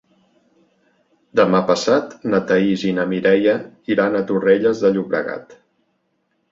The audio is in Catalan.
Demà passat na Thaís i na Mireia iran a Torrelles de Llobregat.